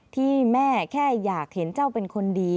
ที่แม่แค่อยากเห็นเจ้าเป็นคนดี